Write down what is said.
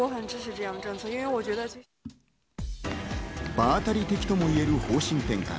場当たり的ともいえる方針転換。